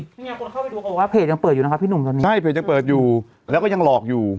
เนี่ยคนเข้าไปดูเขาบอกว่าเพจยังเปิดอยู่นะคะพี่หนุ่มตอนนี้ใช่เพจยังเปิดอยู่แล้วก็ยังหลอกอยู่